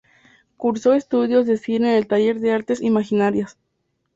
Cursó estudios de Cine en el Taller de Artes Imaginarias.